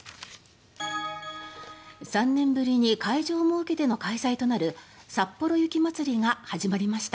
３年ぶりに会場を設けての開催となるさっぽろ雪まつりが始まりました。